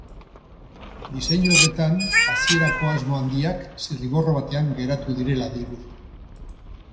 Diseinu horretan, hasierako asmo handiak zirriborro batean geratu direla dirudi.